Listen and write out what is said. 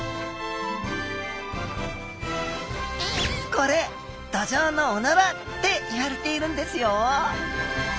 これドジョウのおならっていわれているんですよ